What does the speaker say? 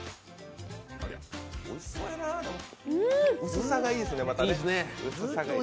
薄さがいいですね。